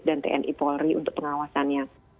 dan tni polri untuk pengawasannya